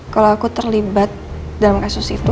kalau aku terlibat dalam kasus itu